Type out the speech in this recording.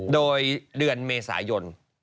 โดยเดือนเมษายน